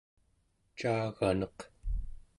caaganeq